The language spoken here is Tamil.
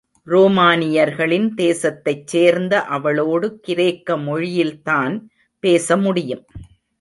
ரோமானியர்களின் தேசத்தைச் சேர்ந்த அவளோடு கிரேக்க மொழியில்தான் பேசமுடியும்.